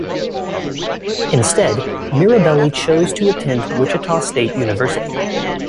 Instead, Mirabelli chose to attend Wichita State University.